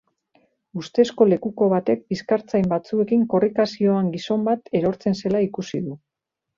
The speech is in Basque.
Ustezko lekuko batek bizkartzain batzuekin korrika zihoan gizon bat erortzen zela ikusi du.